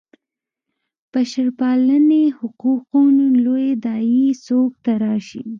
د بشرپالنې حقوقو لویې داعیې څوک تراشي.